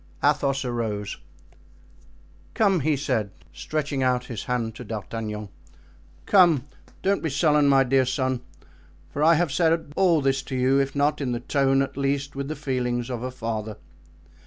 Athos arose. "Come," he said, stretching out his hand to D'Artagnan, "come, don't be sullen, my dear son, for I have said all this to you, if not in the tone, at least with the feelings of a father.